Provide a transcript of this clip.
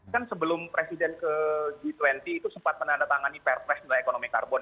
kan sebelum presiden ke g dua puluh itu sempat menandatangani perpres nilai ekonomi karbon